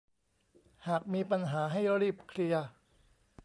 หากมีปัญหาให้รีบเคลียร์